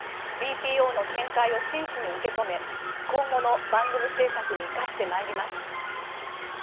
ＢＰＯの見解を真摯に受け止め今後の番組制作に生かしてまいります。